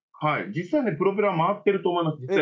実際ねプロペラは回ってると思います。